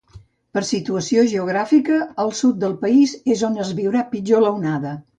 Per situació geogràfica, al sud del país és on es viurà pitjor l’onada.